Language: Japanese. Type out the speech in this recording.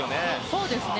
そうですよね。